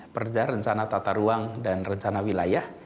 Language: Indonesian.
perda rencana tata ruang dan rencana wilayah